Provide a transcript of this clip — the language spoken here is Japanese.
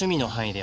で